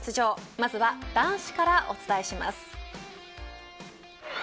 まずは男子からお伝えします。